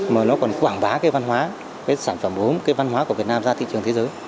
mà nó còn quảng bá cái văn hóa cái sản phẩm gốm cái văn hóa của việt nam ra thị trường thế giới